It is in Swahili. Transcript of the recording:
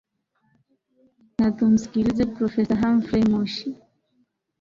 na tumsikilize profesa hamfrey moshi